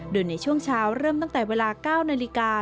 โดยในช่วงเช้าเริ่มตั้งแต่เวลา๙นาฬิกา